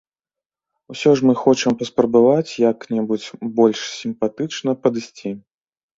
Усё ж мы хочам паспрабаваць як-небудзь больш сімпатычна падысці.